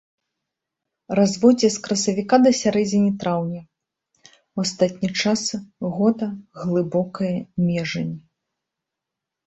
Разводдзе з красавіка да сярэдзіны траўня, у астатні час года глыбокая межань.